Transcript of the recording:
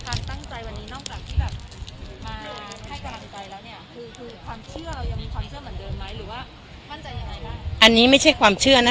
ความเชื่อเรายังมีความเชื่อเหมือนเดิมไหมหรือว่ามั่นใจยังไงบ้างอันนี้ไม่ใช่ความเชื่อนะ